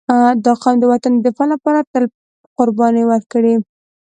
• دا قوم د وطن د دفاع لپاره تل قرباني ورکړې.